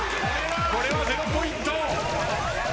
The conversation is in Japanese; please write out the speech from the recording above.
これはゼロポイント。